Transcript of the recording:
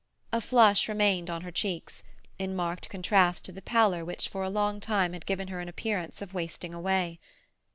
A flush remained upon her cheeks, in marked contrast to the pallor which for a long time had given her an appearance of wasting away.